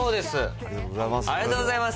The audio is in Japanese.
ありがとうございます。